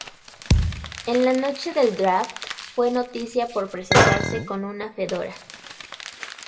En la noche del draft fue noticia por presentarse con una fedora.